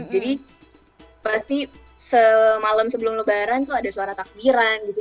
jadi pasti semalam sebelum lebaran tuh ada suara takbiran gitu